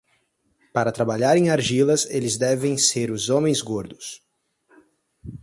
Para trabalhar em argilas, eles devem ser os homens gordos.